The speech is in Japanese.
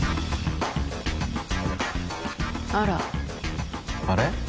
あらあれ？